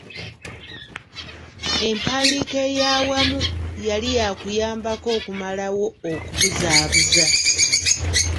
Empandiika ey’awamu yali yaakuyambako okumalawo okubuzaabuza.